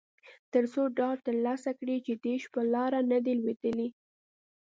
ترڅو ډاډ ترلاسه کړي چې ډیش په لاره نه دی لویدلی